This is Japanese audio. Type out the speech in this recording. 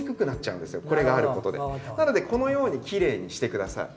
なのでこのようにきれいにして下さい。